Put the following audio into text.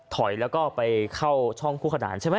ถอยแล้วก็ไปเข้าช่องคู่ขนานใช่ไหม